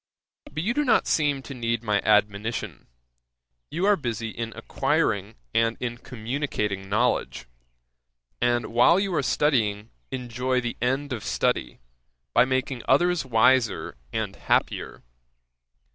'But you do not seem to need my admonition. You are busy in acquiring and in communicating knowledge, and while you are studying, enjoy the end of study, by making others wiser and happier.